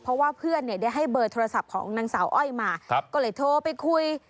เพราะว่าเพื่อนเนี่ยได้ให้เบอร์โทรศัพท์ของนางสาวอ้อยมาก็เลยโทรไปคุย